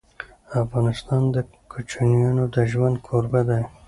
افغانستان د کوچیانو د ژوند کوربه دی.